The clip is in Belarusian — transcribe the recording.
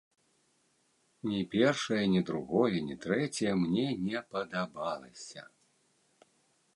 Ні першае, ні другое, ні трэцяе мне не падабалася.